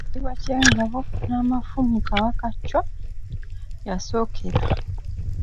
Ekitiibwa eky'Engabo n'Amafumu Kabaka Chwa ya- sookera.